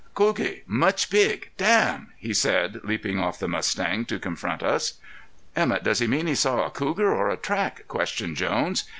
"Cougie mucha big dam!" he said leaping off the mustang to confront us. "Emett, does he mean he saw a cougar or a track?" questioned Jones.